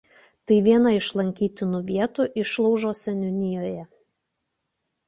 Tai viena iš lankytinų vietų Išlaužo seniūnijoje.